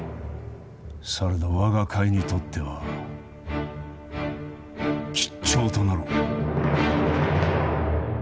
されど、我が甲斐にとっては吉兆となろう。